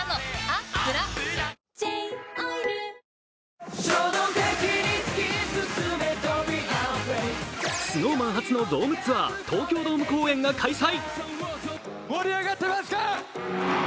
「ハミング」史上Ｎｏ．１抗菌ＳｎｏｗＭａｎ初のドームツアー、東京ドーム公演が開催。